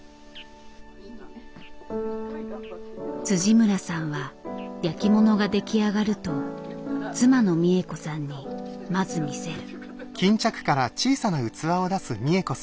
村さんは焼きものが出来上がると妻の三枝子さんにまず見せる。